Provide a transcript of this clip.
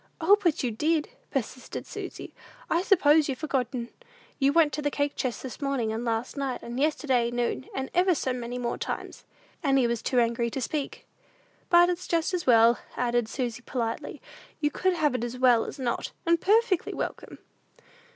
"O, but you did," persisted Susy; "I suppose you've forgotten! You went to the cake chest this morning, and last night, and yesterday noon, and ever so many more times." Annie was too angry to speak. "But it's just as well," added Susy, politely; "you could have it as well as not, and perfectly welcome!"